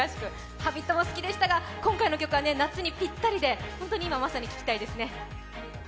「Ｈａｂｉｔ」も好きでしたが今回の曲は夏にぴったりで、本当に今まさに聞きたいですね。